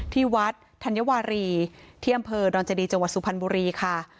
ที่วัดธัญวารีที่อำเภอดรจสุพันธ์บุรีค่ะ